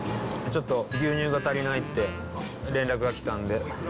ちょっと牛乳が足りないって連絡が来たんで。